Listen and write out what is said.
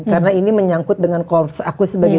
karena ini menyangkut dengan kursus aku sebagai